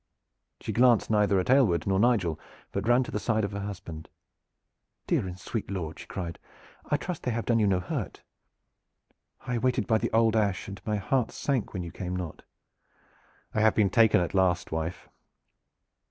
She glanced neither at Aylward nor Nigel, but ran to the side of her husband. "Dear and sweet lord," she cried, "I trust they have done you no hurt. I waited by the old ash, and my heart sank when you came not." "I have been taken at last, wife."